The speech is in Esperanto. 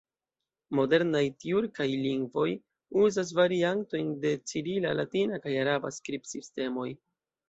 Modernaj tjurkaj lingvoj uzas variantojn de cirila, latina kaj araba skribsistemoj.